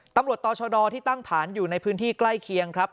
ต่อชดที่ตั้งฐานอยู่ในพื้นที่ใกล้เคียงครับ